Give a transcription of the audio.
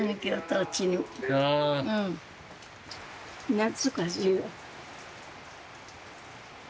懐かしいよ。